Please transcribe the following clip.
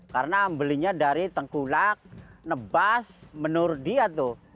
karena belinya dari tengkulak nebas menur dia tuh